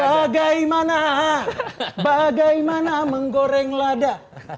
bagaimana bagaimana menggoreng lada